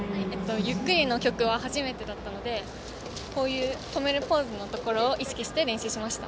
ゆっくりの曲は初めてだったので止めるポーズを意識して練習しました。